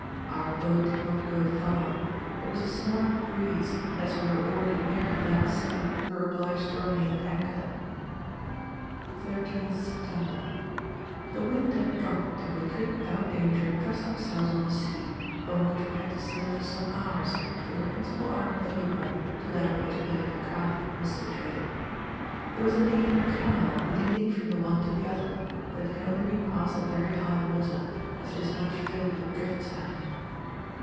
Our boat did not go far. There was a smart breeze, and as we were already near the Black Sea, we were obliged to remain at anchor. 13th September. The wind had dropped, and we could, without danger, trust ourselves on the sea, upon which we had to sail for some hours, from the principal arm of the Ribon to that on which Redutkale was situated. There was indeed a canal leading from the one to the other, but it can only be passed at very high water, as it is much filled with drift sand.